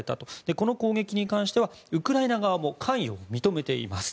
この攻撃に関してはウクライナ側も関与を認めています。